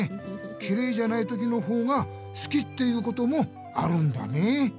きれいじゃないときのほうがすきっていうこともあるんだねえ。